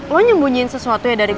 lo nyembunyiin sesuatu ya dari